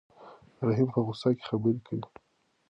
رحیم په غوسه کې خبرې کوي.